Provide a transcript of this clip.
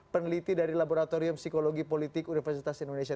peneliti dari laboratorium psikologi politik universitas indonesia